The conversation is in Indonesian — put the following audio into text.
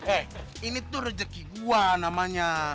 eh ini tuh rezeki gue namanya